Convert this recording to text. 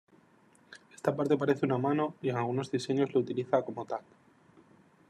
Esta parte parece una mano, y en algunos diseños lo utiliza como tal.